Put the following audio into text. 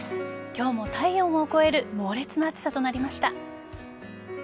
今日も体温を超える猛烈な暑さとなりました。